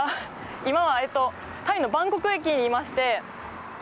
今は、タイのバンコク駅にいまして。